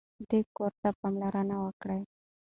دې کور ته پاملرنه وکړئ.